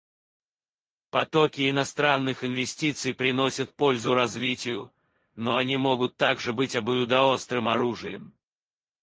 Потоки иностранных инвестиций приносят пользу развитию, но они могут также быть обоюдоострым оружием.